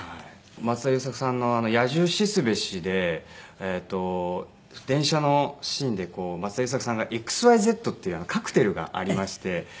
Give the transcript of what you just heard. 松田優作さんの『野獣死すべし』で電車のシーンで松田優作さんがＸＹＺっていうカクテルがありまして。